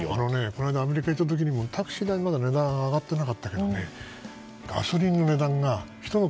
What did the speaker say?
この間、アメリカに行った時にもタクシーの値段は上がってなかったけどガソリンの値段がひと昔